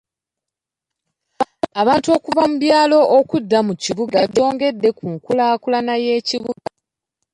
Abantu okuva mu byalo okudda mu kibuga kyongedde ku nkulaakulana y'ekibuga.